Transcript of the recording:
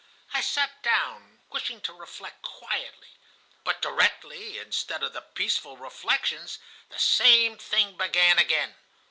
I sat down, wishing to reflect quietly; but directly, instead of the peaceful reflections, the same thing began again.